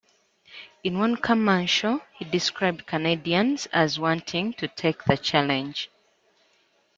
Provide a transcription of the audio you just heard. In one commercial, he described Canadians as wanting to take the challenge.